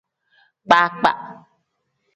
Kpakpa.